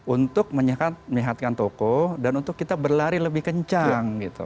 untuk menyehatkan toko dan untuk kita berlari lebih kencang